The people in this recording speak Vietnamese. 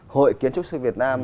hội kiến trúc sư việt nam